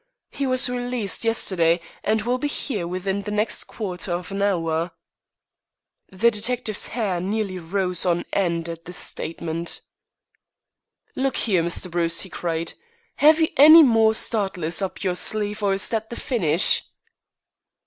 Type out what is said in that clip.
He was released yesterday, and will be here within the next quarter of an hour." The detective's hair nearly rose on end at this statement. "Look here, Mr. Bruce!" he cried, "have you any more startlers up your sleeve, or is that the finish?"